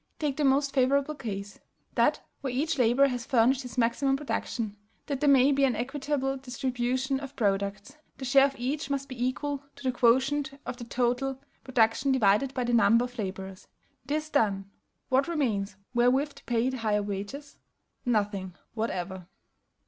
Take the most favorable case, that where each laborer has furnished his maximum production; that there may be an equitable distribution of products, the share of each must be equal to the quotient of the total production divided by the number of laborers. This done, what remains wherewith to pay the higher wages? Nothing whatever.